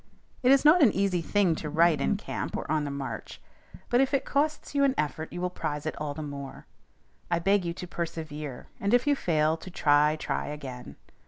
It is not an easy thing to write in camp or on the march, but if it costs you an effort you will prize it all the more. I beg you to persevere, and, if you fail, to "try, try again."